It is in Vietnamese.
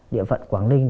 địa phận quảng ninh